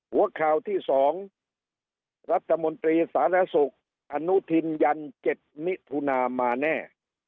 หัวข่าวที่๒รัฐมนตรีสารสุขอนุทินยัน๗มิถุนามาแน่